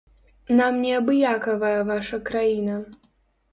Нам не абыякавая ваша краіна.